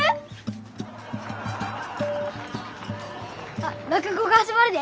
・あっ落語が始まるで。